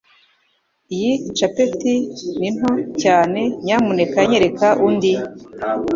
Iyi capeti ni nto cyane Nyamuneka nyereka undi